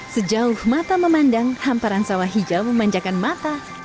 sejauh mata memandang hamparan sawah hijau memanjakan mata